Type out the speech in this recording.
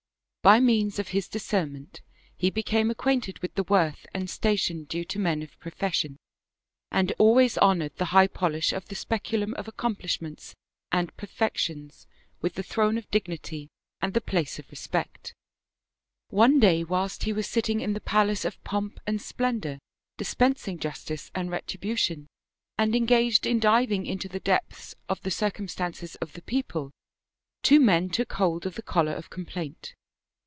By means of his discernment he became acquainted with the worth and station due to men of pro fession, and always honored the high polish of the specu lum of accomplishments and perfections with the throne of dignity and the place of respect. One day whilst he was sitting in the palace of pomp and splendor, dispensing justice and retribution, and engaged in diving into the depths of the circumstances of the people, two men took hold of the collar of complaint.